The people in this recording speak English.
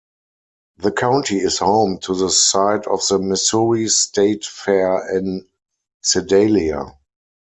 The county is home to the site of the Missouri State Fair in Sedalia.